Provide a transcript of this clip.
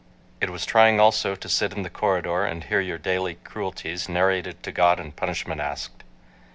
It was trying also to sit in the corridor and hear your daily cruelties narrated to God and punishment asked.